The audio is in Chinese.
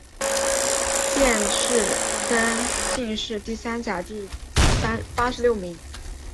殿试登进士第三甲第八十六名。